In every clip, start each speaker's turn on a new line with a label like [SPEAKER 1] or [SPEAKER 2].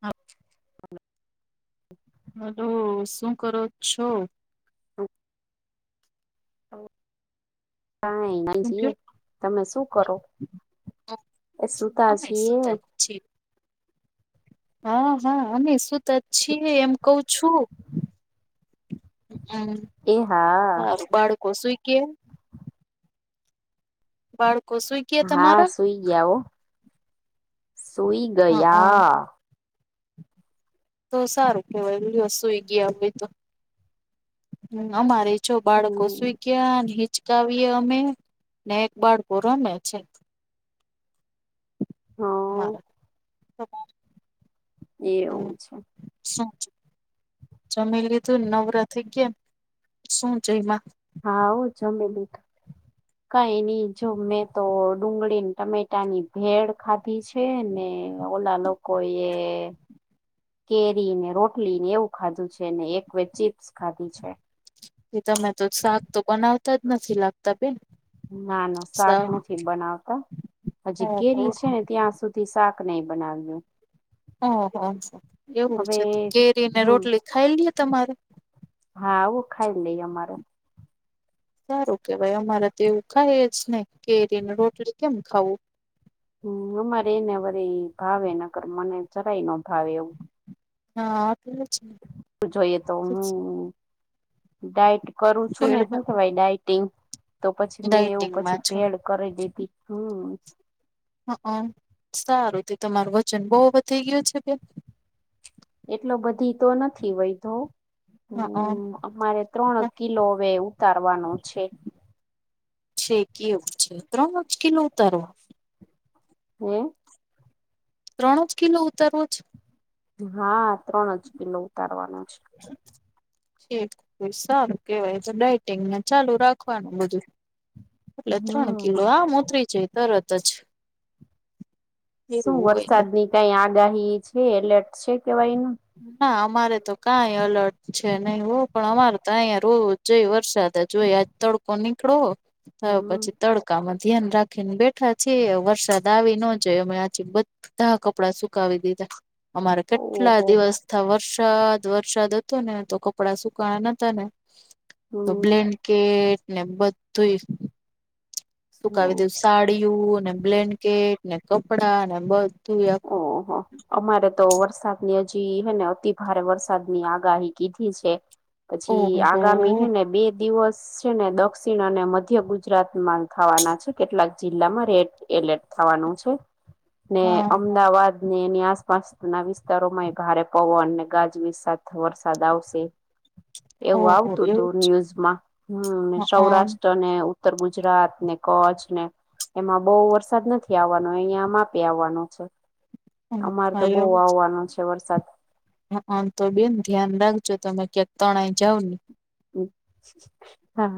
[SPEAKER 1] હાપ [inaudible] hello શું કરો છો
[SPEAKER 2] હ [inaudible]
[SPEAKER 1] શું
[SPEAKER 2] કઈ
[SPEAKER 1] કયો?
[SPEAKER 2] તમે શું કરો એ સુતા
[SPEAKER 1] અમે
[SPEAKER 2] છીએ
[SPEAKER 1] સુતા જ હા હા અમે શું તો છીએ એમ કું છું હમ હા બાળકો સુુંઈ કે બાળકો સુુંઈ
[SPEAKER 2] હા સુઈ ગયા હો સુઈ
[SPEAKER 1] હઅન.
[SPEAKER 2] ગયા
[SPEAKER 1] તો સારું કેવાયલી વસ્તુઈ ગયા તો હમ અમારે છો બાળકો
[SPEAKER 2] હમ
[SPEAKER 1] સુઈ ગયા હિચકાવીએ અમે ને એક બાળકો રમે છે
[SPEAKER 2] હા
[SPEAKER 1] તમારા
[SPEAKER 2] એવું છે
[SPEAKER 1] શું છે જમી લીધું નવરાતઈ ગયામ શું છે એમાં
[SPEAKER 2] હા ઓ જમેલુંઠ
[SPEAKER 1] [inaudible]
[SPEAKER 2] કઈ નની જો મેં તો ડુંગળી ટમેટાની ભેળ ખાધી છે ને ઓલા લોકો કોઈ એ કેરી ને રોટલી ને એવું ખાધું છે ને એક ચીપ્સ ખાધી છે
[SPEAKER 1] એ તમે તો શાક તો બનાવતા જ નથી લાગતા બેન
[SPEAKER 2] ના ના શાક
[SPEAKER 1] સા
[SPEAKER 2] નથી બનાવતા હજી
[SPEAKER 1] ઓહો
[SPEAKER 2] કેરી છે ને ત્યાં સુધી થી શાક નહી બનાવ્યું
[SPEAKER 1] ઓહ એવું
[SPEAKER 2] હવે
[SPEAKER 1] છે કેરીને
[SPEAKER 2] હમ
[SPEAKER 1] રોટલી ખાઈ લઈ તમારે
[SPEAKER 2] હા આવું ખાઈ લઈ અમારે
[SPEAKER 1] સારું કેવાય અમારે તો એવું કાય જ ને કે એરી રોટલી કેમ ખાવું
[SPEAKER 2] હમ અમારે એને વરી ભાવે ન કરર મને જરાય નો ભાવે એવું
[SPEAKER 1] હા છે
[SPEAKER 2] જોઈએ તો હું ડાયટ કરું છું ને હું ડઇટિંગ તો પછી મેં એવું
[SPEAKER 1] ડાયટિંગમાં
[SPEAKER 2] પછી
[SPEAKER 1] છો
[SPEAKER 2] ભેડ કરી દીધી હમ
[SPEAKER 1] હ સારું તે તમારું વજન બહુ વધી ગયું છે બે
[SPEAKER 2] એટલો બધી તો નથી વધો
[SPEAKER 1] હઅ
[SPEAKER 2] હમ અમારે ત્રણ કિલો હવે ઉતારવાનો છે
[SPEAKER 1] છેેકી એવું છે ત્રણ મુશ કિલું ઉતારવા
[SPEAKER 2] હ
[SPEAKER 1] ત્રણ જ કિલો ઉતરવો જ
[SPEAKER 2] હા ત્રણ જ કિલો ઉતારવાનો છે
[SPEAKER 1] ક સારું કેવાય તો ડઇટિંગને ચાલુ રાખવાનું બધું એટલે ત્રણ કિલો
[SPEAKER 2] હમ
[SPEAKER 1] આમ ઉતરી જાય તરત જ એવું
[SPEAKER 2] શું
[SPEAKER 1] હોય
[SPEAKER 2] વરસાદની કઈ આગાહી છે એલર્ટ છે કેવાય ન
[SPEAKER 1] ના અમારે તો કઈ અલર્ટ છે નહી હું પણ અમારે તો અહીં રવું જોઈ વરસાદ જોય આજ તડકો નીકળો થયો
[SPEAKER 2] હમ
[SPEAKER 1] પછી તડકો કામાં ધ્યાન રાખીને બેઠા છેીએ વરસાદ આવી ન જોાય અમે આજે બધા કપડાં સુકાવી દીધા અમારે કેટલા
[SPEAKER 2] ઓહો
[SPEAKER 1] રસ્થતા વરસાદ વરસાદ હતો ને તો કપડા સુકાણા નતા ને તો
[SPEAKER 2] હમ
[SPEAKER 1] બ્લેન કેટ ને બધું સુુંકાવી
[SPEAKER 2] હમ
[SPEAKER 1] દીધું સાડિયું ને બ્લેન્કેટ ને કપડાં ને બધું આખું
[SPEAKER 2] હહા અમારે તો વરસાદની હજી હે ને અતિ ભારે વરસાદ ની આગાહી કીધી છે પછી
[SPEAKER 1] ઓહો
[SPEAKER 2] આગામી હેને બે દિવસ છે ને દક્ષિણ અને મધ્ય ગુજરાતમાં થવાના છે કેટલાક જિલ્લામાં રેડ એલર્ટ થવાનું છે
[SPEAKER 1] [inaudible]
[SPEAKER 2] ને
[SPEAKER 1] હા
[SPEAKER 2] અમદાવાદ ને એની આસપાસ ના વિસ્તારોમાં એ ભારે પવન ગાજવીજ સાથે વરસાદ આવશે એવું
[SPEAKER 1] ઓહો
[SPEAKER 2] આવતું
[SPEAKER 1] એવું
[SPEAKER 2] હતું ન્યુઝમાં હ સૌરાષ્ટ્ર અનેને ઉત્તર ગુજરાત ને કચ્છ ને એમાં બહુ વરસાદ નથી આવવાનો અહિયાયા માપી આવવાનો અમારે
[SPEAKER 1] અચ્છા
[SPEAKER 2] તો બહ આવવાનો છે વરસાદ
[SPEAKER 1] હ તો બેન ધ્યાન રાખજો તમે ક્યાક તણાઈ જાવ ને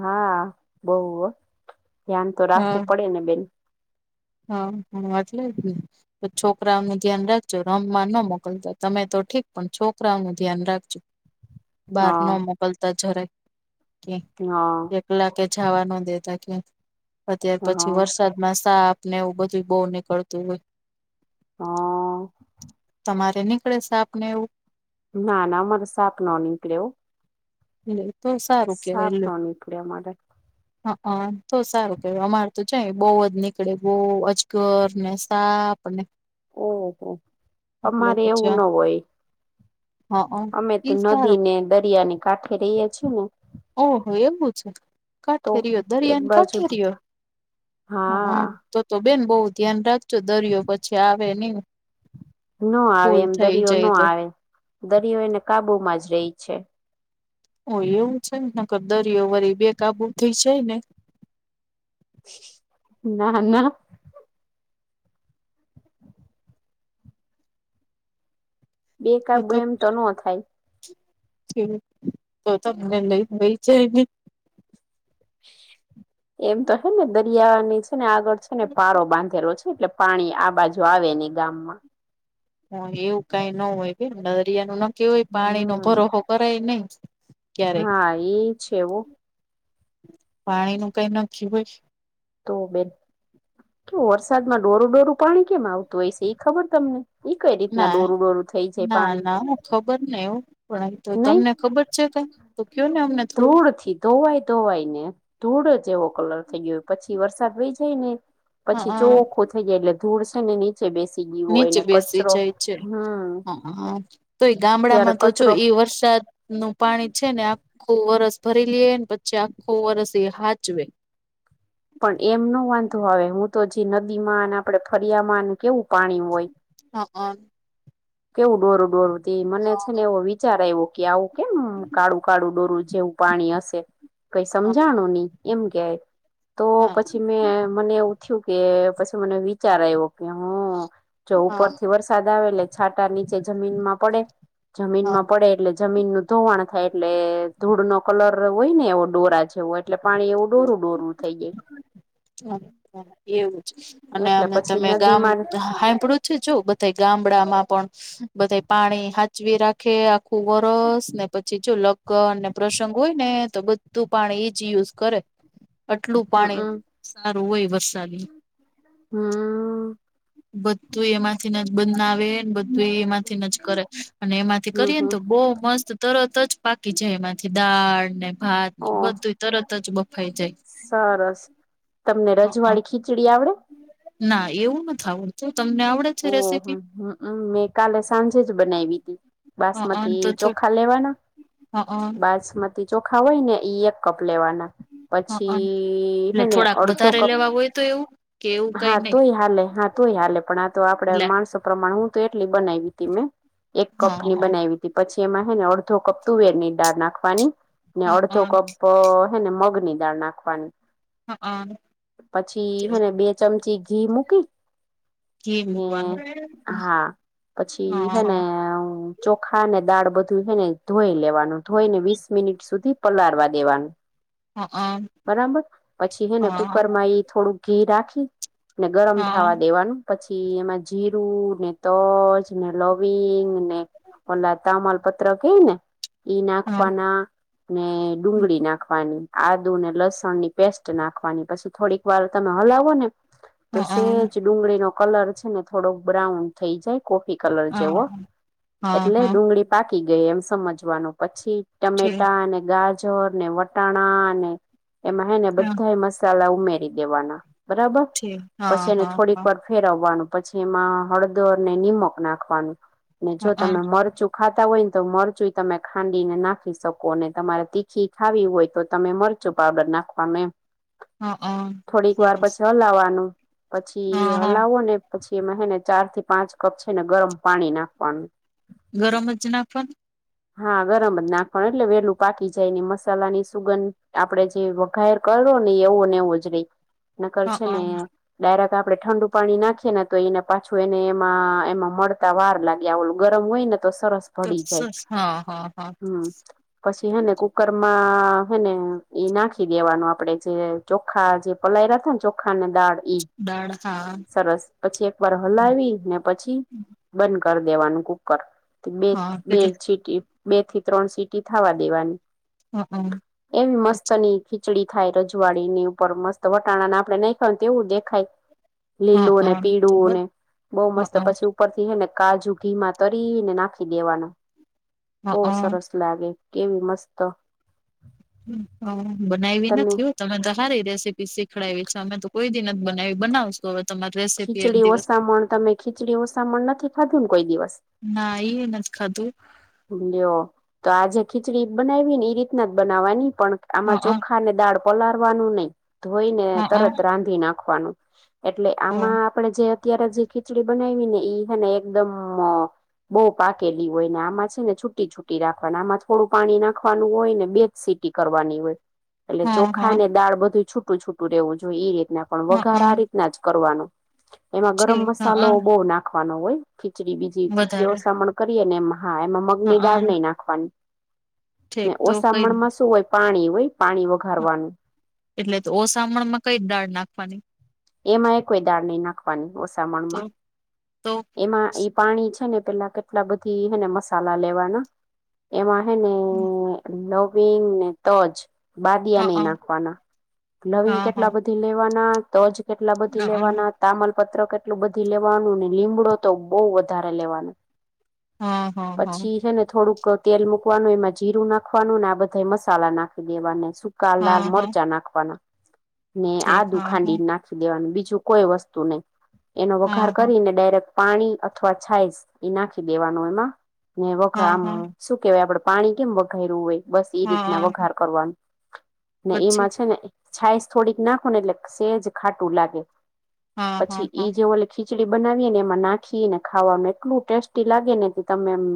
[SPEAKER 2] હા બહ ધ્યાન તો
[SPEAKER 1] હા
[SPEAKER 2] રાખવું પડે ને બેન
[SPEAKER 1] હા હા વાતલે જ ને તો છોકરાઓ નું ધ્યાન રાખજો રમમાં ન મોકલતા તમે તો ઠીક પણ છોકરાઓું ધ્યાન રાખજો બાર ન
[SPEAKER 2] હા
[SPEAKER 1] મોકલતા
[SPEAKER 2] હા
[SPEAKER 1] જરા કલાકે જવા ન દેતા કેત્યાર પછી
[SPEAKER 2] હા
[SPEAKER 1] વરસાદમાં સાપ નેવ બધું બહુ નીકળતું હોય
[SPEAKER 2] હા
[SPEAKER 1] તમારે નીકળે સાપ ને એવું
[SPEAKER 2] ના ના મારે સાક ન નીકળ્યો
[SPEAKER 1] એ તો સારું કેવાય એલ
[SPEAKER 2] ન નીકળે અમારે
[SPEAKER 1] હ, હ તો સારું કે અમાર તો છે બહુ જ નીકળે બહ અજગર ને સાફ આપને
[SPEAKER 2] ઓહો અમારે એવું ના હોય.
[SPEAKER 1] હા
[SPEAKER 2] અમે તો
[SPEAKER 1] ઈ
[SPEAKER 2] નદી
[SPEAKER 1] સારું
[SPEAKER 2] ને દરિયા ને કાઠ ર છ હું
[SPEAKER 1] ઓહો એવું છે.
[SPEAKER 2] તો
[SPEAKER 1] કાઠેરીયો
[SPEAKER 2] એક
[SPEAKER 1] દરિયાની
[SPEAKER 2] બાજુ
[SPEAKER 1] કાઠેરીયો હઅ
[SPEAKER 2] હા
[SPEAKER 1] તો તો બેન બહુ ધ્યાન રાખજો દરિયો પછી આવે નહી
[SPEAKER 2] ન આવે,
[SPEAKER 1] ફૂલ
[SPEAKER 2] એમ
[SPEAKER 1] થઈ
[SPEAKER 2] દરિયો ન
[SPEAKER 1] જાય તો
[SPEAKER 2] આવે દરિયો એને કાબુમાં જ રહી છે.
[SPEAKER 1] ઓ એવું છે. નકર દરિયો વરી બે કાબુ થઈ જાય ને.
[SPEAKER 2] ના, ના બે
[SPEAKER 1] તો
[SPEAKER 2] કાબુ એમ તો ન થાય.
[SPEAKER 1] તો તમને લઈ લઈ જાય નને
[SPEAKER 2] એમ તો હે ને દરિયાની ને આગળ છે ને પારો બાંધેલો છે. એટલે પાણી આ બાજુ આવે નહી ગામમાં.
[SPEAKER 1] હ એવું કઈ ન હોય કે દરિયા ન નકી હોય પાણી નો
[SPEAKER 2] હમ
[SPEAKER 1] ભરોહો કરાય નહી ક્યારેક
[SPEAKER 2] હા એ છેવો.
[SPEAKER 1] પાણી નું કઈ નક્કી હોય.
[SPEAKER 2] તો બેન કે વરસાદમાં ડોરું, ડોરું પાણી કેમ આવતું હોય છે એ ખબર તમને. ઈ કઈ રીતના
[SPEAKER 1] ના,
[SPEAKER 2] ડોરું ડોરું થઈ જાય
[SPEAKER 1] ના,
[SPEAKER 2] પાણી
[SPEAKER 1] ના હ ખબર નને એવું પણ તમને ખબર છે ક તો કયો ને અમને થોડુંક
[SPEAKER 2] ધૂર થી. ધોવાય ધોવાય ને ધૂળો જ એવો કલર થઈ ગયો પછી વરસાદ વહી જાય ને
[SPEAKER 1] હઅ
[SPEAKER 2] પછી જો ઓખો થઈ જાય એટલે ધૂળ છે ને બેસી ગયું હોય
[SPEAKER 1] નીચે
[SPEAKER 2] ને
[SPEAKER 1] બેસી
[SPEAKER 2] કચરો
[SPEAKER 1] જાય છે.
[SPEAKER 2] હમ
[SPEAKER 1] હ તો એ
[SPEAKER 2] ત્યારે
[SPEAKER 1] ગામડામાં તો જો
[SPEAKER 2] કચરો
[SPEAKER 1] એ વરસાદ નું પાણી છે ને આખું વરસ ભરી લઈએ પછી આખું વરસ એ હાચવે
[SPEAKER 2] પણ એમ ન વાંધો આવે હું તો જે નદી માં અને આપડે ફરિયા માં કેવું પાણી હોય.
[SPEAKER 1] હા, હ
[SPEAKER 2] કેવું ડોરું ડોરું મને છે. ને એવો વિચાર આવ્યો કે આવું કેમ કાળું, કાળું ડોરું જેવું પાણી હશે કઈ
[SPEAKER 1] હા
[SPEAKER 2] સમજાણું નહી એમ કય તો પછી મને એવું થયું કે પછી મને વિચાર આવ્યો કે હું જો ઉપર
[SPEAKER 1] હા
[SPEAKER 2] થી વર પ્રસાદ આવે એટલે છાંટા નીચે જમીન માં પડે જમીન
[SPEAKER 1] હા
[SPEAKER 2] માં પડે એટલે જમીનનું ધોવાણ થાય એટલે ધૂળ નો કલર હોય ને એવો ડોરા જેવો એટલે પાણી એવું ડોરું ડોરું થઈ જાય.
[SPEAKER 1] એવું જ અને
[SPEAKER 2] એટલે
[SPEAKER 1] અમે
[SPEAKER 2] પછી
[SPEAKER 1] તમે ગામ
[SPEAKER 2] નદીમાં
[SPEAKER 1] સાાંભડું છે જો બધા ગામડામાં પણ બધે પાણી સાાચવી રાખે આખું વરસ ને પછી જો લગ ને પ્રસંગ હોય ને તો બધું પાણી એ જયુઝ કરે આટલું પાણી
[SPEAKER 2] હમમ
[SPEAKER 1] સારું હોય વુ.
[SPEAKER 2] હમ
[SPEAKER 1] બધું એમાંથીને બ ના આવેને બું એ એમાંથી ન જ કરે અને એમાંથી
[SPEAKER 2] હમ
[SPEAKER 1] કરીએ ને
[SPEAKER 2] હમ
[SPEAKER 1] તો બહુ મસ્ત તરત જ પાકી જાય એમાંથી દાળ ને ભાત
[SPEAKER 2] ઓ
[SPEAKER 1] બધું તરત જ બફાઈ જાય.
[SPEAKER 2] સરસ તમને
[SPEAKER 1] હ
[SPEAKER 2] રજવાળી ખીચડી આવડે.
[SPEAKER 1] ના એવું નથી આવડતું તમને આવડે? છે
[SPEAKER 2] ઓહ હમ
[SPEAKER 1] રેસીપી
[SPEAKER 2] મેં કાલે સાંજે જ બનાવી હતી. બાસમતી ચોખા લેવાના.
[SPEAKER 1] હા હ.
[SPEAKER 2] બાસમતી ચોખા હોય ને ઈ એક કપ લેવાના.
[SPEAKER 1] હ
[SPEAKER 2] પછી
[SPEAKER 1] એટલે
[SPEAKER 2] હેને
[SPEAKER 1] થોડાક
[SPEAKER 2] અડધો
[SPEAKER 1] વધારે
[SPEAKER 2] કપ
[SPEAKER 1] લેવા હોય તો એવું કે એવું કઈ
[SPEAKER 2] હા
[SPEAKER 1] નહી
[SPEAKER 2] તોય હાલે હા. તોય હાલે પણ આ તો આપડ
[SPEAKER 1] એટલે
[SPEAKER 2] માણસો પ્રમાણે હું તો એટલી બનાવી તી મેં એક કપ
[SPEAKER 1] હા
[SPEAKER 2] ની
[SPEAKER 1] હા
[SPEAKER 2] બનાવી. પછી એમાં હેને અડધો કપ તુવેર ની ડાળ નાખવાની ને અડધો
[SPEAKER 1] હા
[SPEAKER 2] કપ તો હને મગ ની દાળ નાખવાની
[SPEAKER 1] હા
[SPEAKER 2] પછીને બે ચમચી ઘી મૂકી
[SPEAKER 1] ઘી
[SPEAKER 2] ને
[SPEAKER 1] મૂકવાનું
[SPEAKER 2] હા પછી હેને
[SPEAKER 1] હા
[SPEAKER 2] ચોખા અને દાળ બધું છેને ધોઈ લેવાનું ધોઈને વીસ મિનિટ સુધી પલળવા દેવાનું.
[SPEAKER 1] હા હા
[SPEAKER 2] બરાબર પછી હેને કુકરમાં એ થોડુંક ઘી રાખી ને
[SPEAKER 1] હા
[SPEAKER 2] ગરમ
[SPEAKER 1] હા
[SPEAKER 2] થાવા દેવાનું. એમાં જીરું ને તજ ને લવિંગ ને ઓલા તામલ પ કે ને ઈ નાખપના. ને ડુંગળી નાખવાની આદુ ને લસણની પેસ્ટ નાખવાની પછી થોડીક વાર તમે હલાવો ને તો
[SPEAKER 1] હા હા
[SPEAKER 2] સેજ ડુંગળી નો કલર છે ને થોડો બ્રાઉન થઈ જાય. કોફી કલર જેવો
[SPEAKER 1] હા હા
[SPEAKER 2] એટલે
[SPEAKER 1] હા
[SPEAKER 2] ડુંગળી પાકી ગઈ એમ સમજવાનું પછી
[SPEAKER 1] છે,
[SPEAKER 2] ટમેટા અને ગાજ ગજર ને વટાણા ને એમાં હે ને
[SPEAKER 1] હા
[SPEAKER 2] બધા મસાલા ઉમેરી દેવાના બરાબર
[SPEAKER 1] છે,
[SPEAKER 2] પછી
[SPEAKER 1] હા,
[SPEAKER 2] એને
[SPEAKER 1] હા,
[SPEAKER 2] થોડીક
[SPEAKER 1] હા,
[SPEAKER 2] પર ફેરવવાનું પછી એમાં હળદરને નિનીમક નાખવાનું ને જો
[SPEAKER 1] હા,
[SPEAKER 2] તમે મરચું ખાતા હોય ને તો મરચું તમે ખાંડીને નાખી શકો અનેને તમારે તીખી ખાવી હોય તો તમે મરચ કચું પાવડર નાખવાનું
[SPEAKER 1] હા, હા.
[SPEAKER 2] થોડીક વાર
[SPEAKER 1] સરસ
[SPEAKER 2] પછી હલાવાનું પછી.
[SPEAKER 1] હા, હા
[SPEAKER 2] હલાવો પછી એને ચાર થી પાંચ કપ છે ને ગરમ પાણી નાખવાનું.
[SPEAKER 1] ગરમ જ નાખવાનું.
[SPEAKER 2] હા ગરમ જ નાખવાનું એટલે વેલું પાકી જાય નને મસાલા ની સુગંધ આપડે જે ઘર કરો હી એવું ને એવું જ રહી નકર
[SPEAKER 1] હા,
[SPEAKER 2] છે ને
[SPEAKER 1] હા
[SPEAKER 2] ડાયરેક આપડણે ઠંડુ પાણી નાખીએ ને તો એને પાછું એને એમાં એમાં મળતા વાર લાગે ત્યા ગરમ હોય ને તો સરસ
[SPEAKER 1] તો
[SPEAKER 2] ભળી
[SPEAKER 1] સ
[SPEAKER 2] જાય
[SPEAKER 1] સ હા હા હા.
[SPEAKER 2] હમ પછી હેને કુકરમાં હેને એ નાખી દેવાનું આપડે જે ચોખા જે પલાયરા હતાને ચોખા ને દાળ ઈ
[SPEAKER 1] દાળ હા
[SPEAKER 2] સરસ પછી એક વાર
[SPEAKER 1] હા
[SPEAKER 2] હલાવી ને પછી બંધ કરી દેવાનું કુકર બે
[SPEAKER 1] હા,
[SPEAKER 2] બે
[SPEAKER 1] કેટલી
[SPEAKER 2] સીટી બે થી ત્રણ સીટી થવા દેવાની.
[SPEAKER 1] હા, હા
[SPEAKER 2] એમ મસ્ત
[SPEAKER 1] પછી
[SPEAKER 2] નની. ખીચડી થાય રજવાડી ની ઉપર મસ્ત વટાણાને આપડે નહી ખાય તેવું દેખાય
[SPEAKER 1] હા,
[SPEAKER 2] લીલું ને
[SPEAKER 1] હા તો
[SPEAKER 2] પીળું
[SPEAKER 1] બસ
[SPEAKER 2] ને બહુ
[SPEAKER 1] હા,
[SPEAKER 2] મસ્ત
[SPEAKER 1] હા,
[SPEAKER 2] પછી. ઉપરથી હ ને કાજુ ઘીમા તરીને નાખી દેવાનું.
[SPEAKER 1] હા
[SPEAKER 2] બહુ
[SPEAKER 1] હા
[SPEAKER 2] સરસ લાગે કેવી મસ્ત
[SPEAKER 1] હ બનાવીવી
[SPEAKER 2] તમે
[SPEAKER 1] નથી થયું. તમે તો સારી રેસીપી શીખડાવી છે અમે તો કોઈ દિન જ બનાવી બનાવશો હવે તમારો ડ્રેસ.
[SPEAKER 2] ખીચડી ઓસામણ તમે ખીચડી ઓસામણ નથી ખાધું ને કોઈ દિવસ
[SPEAKER 1] ના ઈન ખાધું.
[SPEAKER 2] લ્યો તો આજે ખીચડી બનાવી ને એ રીતના જ બનાવવાની પણ આમાં
[SPEAKER 1] હા,
[SPEAKER 2] ચોખા ને દાળ પલારવાનું નહી ધોઈને
[SPEAKER 1] હા, હા,
[SPEAKER 2] તરત રાંધી નાખવાનું. એટલે
[SPEAKER 1] હા,
[SPEAKER 2] આમાં આપણેે જે અત્યારે જે ખીચડી બનાવીવી ને ઈ હને એકદમ બહુ પાકેલી હોય ને આમાં જ ને છુટી છુટી રાખવાની આમાં થોડું પાણી નાખવાનું હોય ને બે જ સીટી કરવાની હોય એટલે
[SPEAKER 1] હા,
[SPEAKER 2] ચોખા
[SPEAKER 1] હા,
[SPEAKER 2] ને દાળ બધું છૂટું છૂટું રહેેવું જોઈએ એ રીતના પણ
[SPEAKER 1] હા,
[SPEAKER 2] વઘાર
[SPEAKER 1] હા
[SPEAKER 2] આ રીતના જ કરવાનું એમાં
[SPEAKER 1] છે,
[SPEAKER 2] ગરમ
[SPEAKER 1] હા
[SPEAKER 2] મસાલો
[SPEAKER 1] હા
[SPEAKER 2] બહુ નાખવાનો હોય ખીચડી બીજી ખીચડી
[SPEAKER 1] વધારે
[SPEAKER 2] ઓામ કરીએ ને એ હા એમાં મગ
[SPEAKER 1] હા
[SPEAKER 2] ની
[SPEAKER 1] હા
[SPEAKER 2] દાળ નહી નાખવાની
[SPEAKER 1] ઠેક
[SPEAKER 2] ને
[SPEAKER 1] તો
[SPEAKER 2] ઓછા
[SPEAKER 1] કઈ
[SPEAKER 2] મણ માં શું હોય પાણી હોય પાણી વઘારવાનું
[SPEAKER 1] એટલે તો ઓસામણ માં કઈ દાળ નાખવાની
[SPEAKER 2] એમાં એ કોઈ દાળ નહી નાખવાની
[SPEAKER 1] તો
[SPEAKER 2] ઓછામણમાં
[SPEAKER 1] તો
[SPEAKER 2] એમાં પાણી છે ને પેલા કેટલા બધી હને મસાલા લેવાના એમાં ને
[SPEAKER 1] હ
[SPEAKER 2] નવીિન ને તોજ
[SPEAKER 1] હ
[SPEAKER 2] બાદિયા
[SPEAKER 1] હા
[SPEAKER 2] નહી નાખવાના લ્વિંગ
[SPEAKER 1] હા હા
[SPEAKER 2] કેટલા બધી લેવાના તો જ કેટલા બધી
[SPEAKER 1] હા
[SPEAKER 2] લેવાના તામલપત્ર કેટલું બધી લેવાનું ને લીમડો તો બઉ વધારે લેવાના
[SPEAKER 1] હા
[SPEAKER 2] પછી છે ને થોડુંક તેલ મુૂકવાનું એમાં જીરું નાખવાનું ને આ બધા મસાલા નાખી દેવાનું ક લાલ
[SPEAKER 1] હા હા
[SPEAKER 2] મરચા નાખવાના ને
[SPEAKER 1] ઠીક
[SPEAKER 2] આદુ
[SPEAKER 1] હા
[SPEAKER 2] ખાંડી નાખ દેવાનું બીજું કોઈ વસ્તુ નહી એનો વઘાર
[SPEAKER 1] હા હા
[SPEAKER 2] કરીને ડાયરેક્ટ પાણી અથવા છાાઈજ એ નાખી દેવાનું એમાં ને વખર
[SPEAKER 1] હા
[SPEAKER 2] આમ
[SPEAKER 1] હા
[SPEAKER 2] શું કેવાય આપડે પાણી કેમ વઘાર્યું હોય બસ એ
[SPEAKER 1] હા
[SPEAKER 2] રીતના
[SPEAKER 1] હા
[SPEAKER 2] વઘાર કરવાનું ને
[SPEAKER 1] પછી
[SPEAKER 2] એમાં છે ને છાઈસ થોડીક નાખો ને એટલે સેજ ખાટું લાગે
[SPEAKER 1] હા હા
[SPEAKER 2] પછી
[SPEAKER 1] હા
[SPEAKER 2] એ જેવો લ ખીચડી બનાવીને એમાં નાખીને ખાવામાં એટલું ટેસ્ટી લાગે ને તમેમ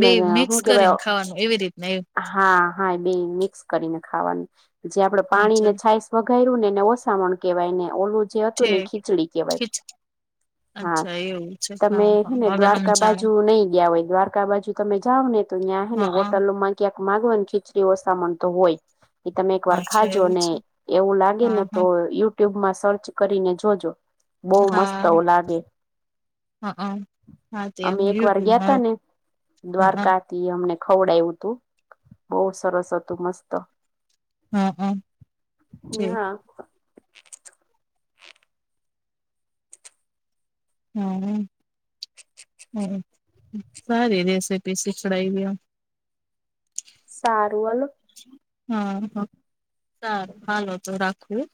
[SPEAKER 1] બે મિક્સ કરીને ખાવાનું એવી રીતના
[SPEAKER 2] હા હા એ બે મિક્સ કરીને ખાવાનું જે આપડે પાણી ને
[SPEAKER 1] અચ્છા
[SPEAKER 2] છાય વઘાઈું નેને ઓસામણ કેવાય ને ઓલું જે હતું ને
[SPEAKER 1] ઠીક
[SPEAKER 2] ખીચડી કેહેવાય
[SPEAKER 1] ખીચ
[SPEAKER 2] હા
[SPEAKER 1] અચ્છા એવું છે
[SPEAKER 2] તમે
[SPEAKER 1] હા
[SPEAKER 2] હેને
[SPEAKER 1] હા હવે
[SPEAKER 2] દ્વારકા બાજુ
[SPEAKER 1] સમજાણું
[SPEAKER 2] નઈ ગયા હોય દ્વારકા બાજુ તમે જાઓ ને તો ત્યાં હે ને
[SPEAKER 1] હા
[SPEAKER 2] હોટલમાં ક્યાંક માગવા ને ખીચડી ઓ સામાન તો હોય એ તમે એક વાર
[SPEAKER 1] અચ્છા
[SPEAKER 2] ખાજો
[SPEAKER 1] એવું છે
[SPEAKER 2] ને એવું લાગે
[SPEAKER 1] હા
[SPEAKER 2] ને
[SPEAKER 1] હા
[SPEAKER 2] તો યુ યુટ્યુબમાં સર્ચ કરીને જોજો બહ મસ્ત લાગે
[SPEAKER 1] હા હા હા તે
[SPEAKER 2] અમે એક વાર ગયા ત
[SPEAKER 1] યુટ્યુબમાં
[SPEAKER 2] ને
[SPEAKER 1] હ
[SPEAKER 2] દ્વારકા અમને ખવડાયું હતું બહુ સરસ હતું મસ્ત
[SPEAKER 1] હમ હમ છેી
[SPEAKER 2] હા
[SPEAKER 1] હમ હમ સારી રેસીપી શીખડઈ ગ
[SPEAKER 2] સારું વાલું
[SPEAKER 1] હહસારું હાલો તો રાખવું